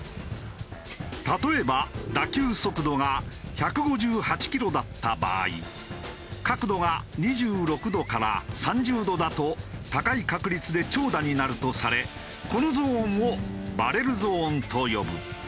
例えば打球速度が１５８キロだった場合角度が２６度から３０度だと高い確率で長打になるとされこのゾーンをバレルゾーンと呼ぶ。